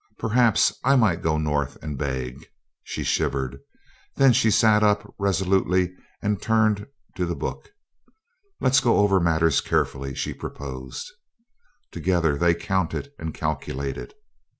Perhaps I might go North and beg." She shivered. Then she sat up resolutely and turned to the book. "Let's go over matters carefully," she proposed. Together they counted and calculated.